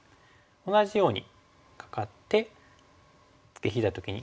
同じようにカカってツケ引いた時にここで。